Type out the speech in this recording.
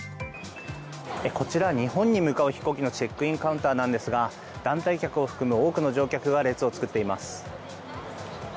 こちら日本に向かう飛行機のチェックインカウンターなんですが団体客を含む多くの乗客が列を作っています。